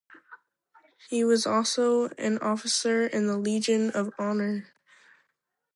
He was also an Officer of the Legion of Honour.